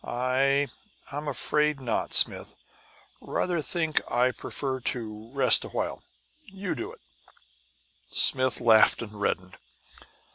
"I I'm afraid not, Smith. Rather think I'd prefer to rest a while. You do it!" Smith laughed and reddened.